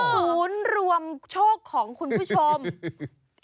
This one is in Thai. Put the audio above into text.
ศูนย์รวมโชคของคุณผู้ชม